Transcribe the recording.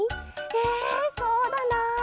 えそうだな。